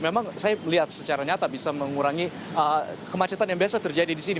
memang saya melihat secara nyata bisa mengurangi kemacetan yang biasa terjadi di sini